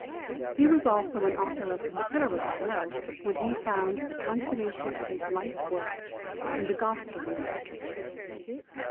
He was also an author of considerable note, when he found the consummation of his life work in the Gospel ministry.